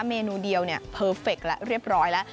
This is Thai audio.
เมนูเดียวเนี่ยเพอร์เฟคแล้วเรียบร้อยแล้ว